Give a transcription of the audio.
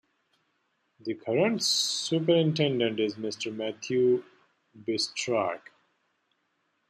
The current superintendent is Mr. Matthew Bystrak.